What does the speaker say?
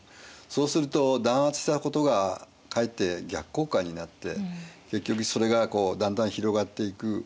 そうすると弾圧したことがかえって逆効果になって結局それがだんだん広がっていく。